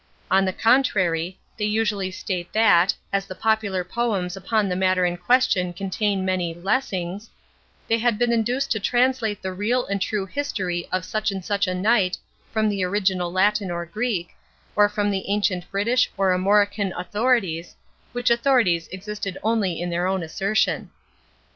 On the contrary, they usually state that, as the popular poems upon the matter in question contain many "lesings," they had been induced to translate the real and true history of such or such a knight from the original Latin or Greek, or from the ancient British or Armorican authorities, which authorities existed only in their own assertion.